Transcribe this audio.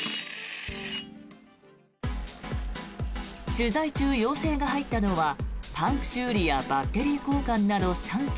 取材中、要請が入ったのはパンク修理やバッテリー交換など３件。